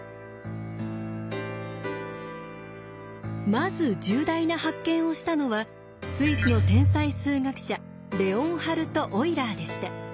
まず重大な発見をしたのはスイスの天才数学者レオンハルト・オイラーでした。